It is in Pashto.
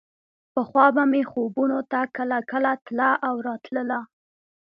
پخوا به مې خوبونو ته کله کله تله او راتله.